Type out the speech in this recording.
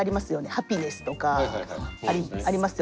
ハピネスとかありますよね。